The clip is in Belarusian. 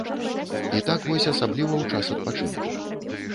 І так вось асабліва ў час адпачынку.